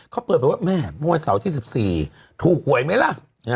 เขาเปิดไปว่าแม่เมื่อเสาร์ที่๑๔ถูกหวยไหมล่ะ